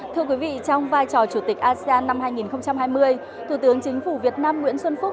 thưa quý vị trong vai trò chủ tịch asean năm hai nghìn hai mươi thủ tướng chính phủ việt nam nguyễn xuân phúc